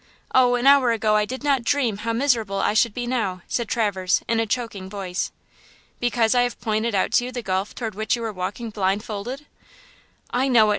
Oh, an hour ago I did not dream how miserable I should be now!" said Traverse, in a choking voice. "Because I have pointed out to you the gulf toward which you were walking blindfolded!" "I know it!